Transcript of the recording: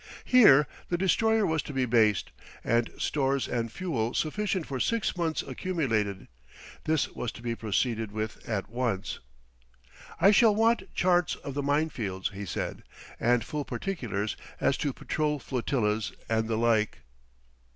Here the Destroyer was to be based, and stores and fuel sufficient for six months accumulated. This was to be proceeded with at once. "I shall want charts of the minefields," he said, "and full particulars as to patrol flotillas and the like."